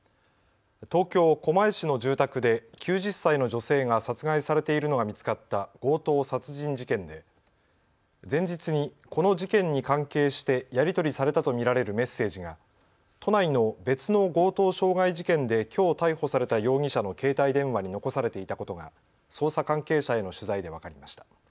東京狛江市の住宅で９０歳の女性が殺害されているのが見つかった強盗殺人事件で前日にこの事件に関係してやり取りされたと見られるメッセージが都内の別の強盗傷害事件できょう逮捕された容疑者の携帯電話に残されていたことが捜査関係者への取材で分かりました。